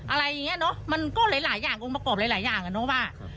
อะไรอย่างเงี้เนอะมันก็หลายอย่างองค์ประกอบหลายหลายอย่างอ่ะเนอะว่า